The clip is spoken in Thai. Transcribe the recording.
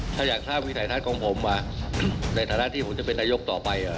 ถ้าอยากทราบวิทยาศาสตร์ของผมอ่ะในฐานะที่ผมจะเป็นระยกต่อไปอ่ะ